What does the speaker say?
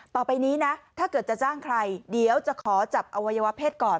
ต่อไปนี้นะถ้าเกิดจะจ้างใครเดี๋ยวจะขอจับอวัยวะเพศก่อน